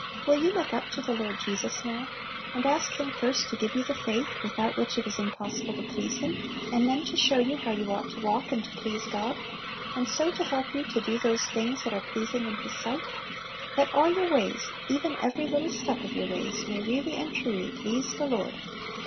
Will you look up to the Lord Jesus now, and ask Him first to give you the faith without which "it is impossible to please Him," and then to show you "how you ought to walk and to please God," and so to help you to "do those things that are pleasing in His sight;" that all your ways, even every little step of your ways, may really and truly "please the Lord" (Prov.